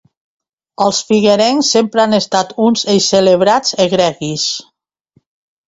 Els figuerencs sempre han estat uns eixelebrats egregis.